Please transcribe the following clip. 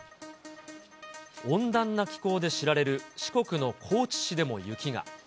温暖な気候で知られる四国の高知市でも雪が。